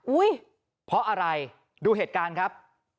เพราะอะไรดูเหตุการณ์ครับ